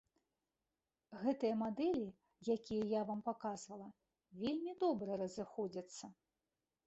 Гэтыя мадэлі, якія я вам паказвала, вельмі добра разыходзяцца.